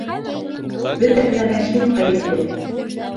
Бөтәһенә лә һин ғәйепле!